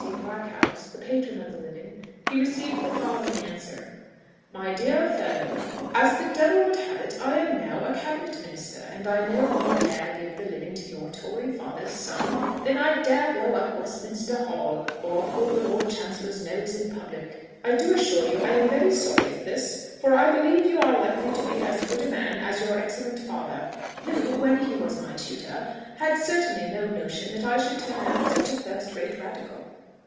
C. Blackhouse, the patron of the living, he received the following answer: "My dear Fellow, "As the devil would have it, I am now a cabinet minister, and I no more dare give the living to your Tory father's son, than I dare blow up Westminster Hall, or pull the Lord Chancellor's nose in public. I do assure you I am very sorry for this, for I believe you are likely to be as good a man as your excellent father, who, when he was my tutor, had certainly no notion that I should turn out such a first rate Radical.